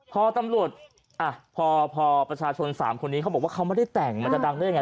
พอประชาชนสามคนนี้เขาบอกว่าเขาไม่ได้แต่งมันจะดังได้ยังไง